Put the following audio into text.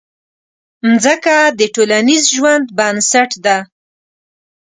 مځکه د ټولنیز ژوند بنسټ ده.